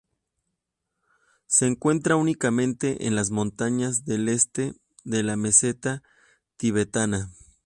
Se encuentra únicamente en las montañas del este de la meseta tibetana.